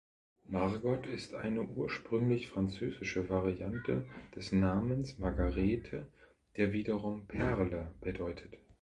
Margot ist eine ursprünglich französische Variante des Namens Margarete, der wiederum „Perle“ bedeutet.